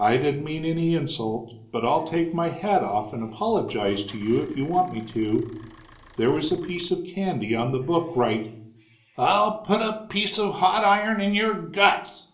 "I didn't mean any insult, but I'll take my hat off and apologize to you if you want me to. There was a piece of candy on the book right " "I'll put a piece of hot iron in your guts!"